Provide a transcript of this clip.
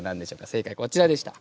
正解こちらでした。